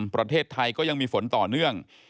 ประเทศไทยก็ยังมีฝนต่อเนื่อง